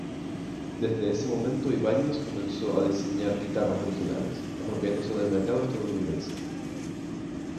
Desde ese momento Ibanez comenzó a diseñar guitarras originales, apropiándose del mercado estadounidense.